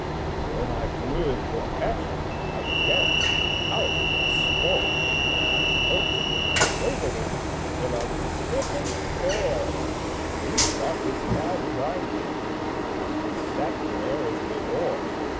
Then I flew into a passion, I danced and howled and swore; I pelted and belaboured him Till I was stiff and sore; He got as mad as I did But he sat there as before.